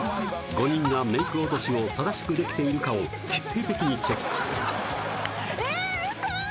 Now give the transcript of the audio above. ５人がメイク落としを正しくできているかを徹底的にチェックするええーウソー！